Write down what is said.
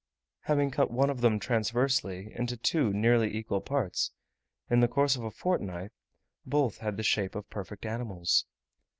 Having cut one of them transversely into two nearly equal parts, in the course of a fortnight both had the shape of perfect animals.